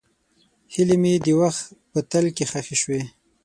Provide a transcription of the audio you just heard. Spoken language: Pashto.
هیلې مې د وخت په تل کې ښخې شوې.